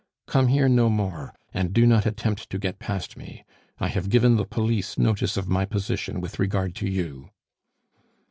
Come here no more, and do not attempt to get past me. I have given the police notice of my position with regard to you."